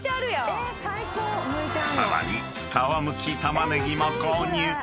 ［さらに皮むきたまねぎも購入］